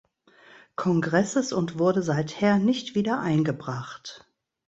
Kongresses und wurde seither nicht wieder eingebracht.